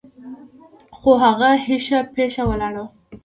خو هغه هيښه پيښه ولاړه وه.